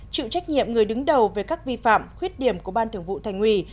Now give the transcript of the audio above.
chịu trách nhiệm người đứng đầu về các vi phạm khuyết điểm của ban thường vụ thành ủy